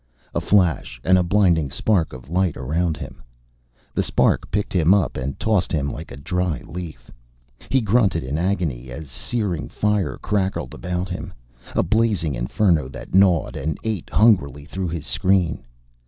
A flash, and a blinding spark of light around him. The spark picked him up and tossed him like a dry leaf. He grunted in agony as searing fire crackled about him, a blazing inferno that gnawed and ate hungrily through his screen.